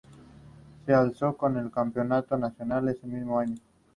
Se alzó con el campeonato nacional ese mismo año.